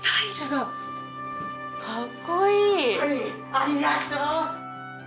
ありがとう！